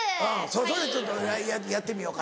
それちょっとやってみようか。